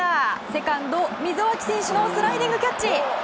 セカンド、溝脇選手のスライディングキャッチ。